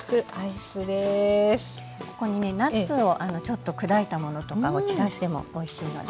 ここにねナッツをちょっと砕いたものとかを散らしてもおいしいので。